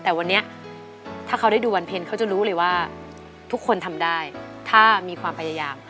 แต่วันนี้ถ้าเขาได้ดูวันเพลงเขาจะรู้เลยว่าทุกคนทำได้ถ้ามีความพยายาม